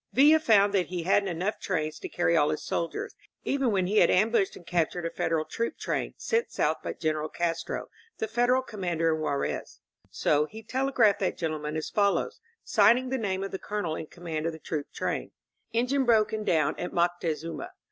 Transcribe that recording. Villa found that he hadn't enough trains to carry all his soldiers, even when he had ambushed and captured a Federal troop train, sent south by General Castro, the Federal commander in Juarez. So he tele graphed that gentleman as follows, signing the name of the Colonel in command of the troop train: ^En gine broken down at Moctezuma.